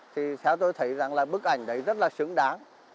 thì theo tôi thấy rằng là bức ảnh đấy rất là xứng đáng